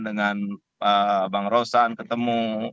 dengan bang rosan ketemu